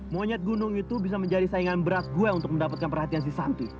monyet gunung itu bisa menjadi saingan berat gua untuk mendapatkan perhatian si santi